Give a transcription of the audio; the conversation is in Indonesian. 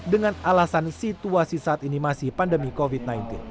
dengan alasan situasi saat ini masih pandemi covid sembilan belas